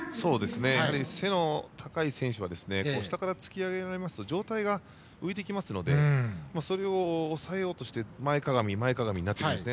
やはり、背の高い選手は下から突き上げられますと上体が浮いてきますのでそれを押さえようとして前かがみ、前かがみになってきてましたね。